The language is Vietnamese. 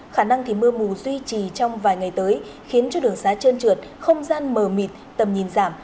khả năng thì mưa mù duy trì trong vài ngày tới khiến cho đường xá trơn trượt không gian mờ mịt tầm nhìn giảm